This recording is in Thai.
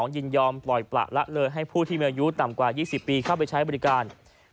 ยินยอมปล่อยประละเลยให้ผู้ที่มีอายุต่ำกว่า๒๐ปีเข้าไปใช้บริการ